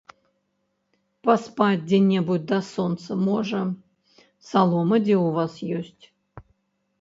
Паспаць дзе-небудзь да сонца, можа, салома дзе ў вас ёсць?